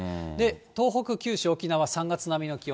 東北、九州、沖縄、３月並みの気温。